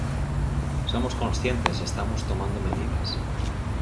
Somos conscientes e estamos tomando medidas.